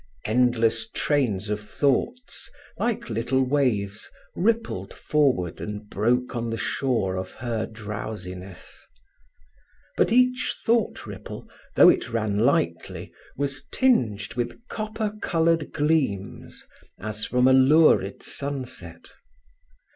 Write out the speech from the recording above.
Endless trains of thoughts, like little waves, rippled forward and broke on the shore of her drowsiness. But each thought ripple, though it ran lightly, was tinged with copper coloured gleams as from a lurid sunset.